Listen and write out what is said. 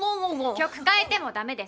曲変えてもダメです！